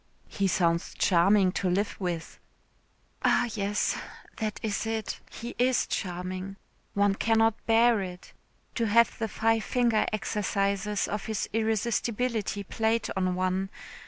"He sounds charming to live with." "Ah, yes. That is it. He is charming. One cannot bear it. To have the five finger exercises of his irresistibility played on one.